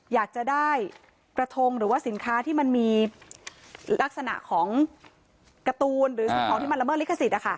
อยากจะได้กระทงหรือว่าสินค้าที่มันมีลักษณะของการ์ตูนหรือสิ่งของที่มันละเมิดลิขสิทธิ์